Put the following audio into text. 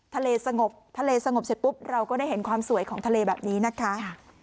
สงบทะเลสงบเสร็จปุ๊บเราก็ได้เห็นความสวยของทะเลแบบนี้นะคะ